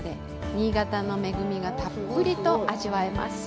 新潟の恵みがたっぷりと味わえます。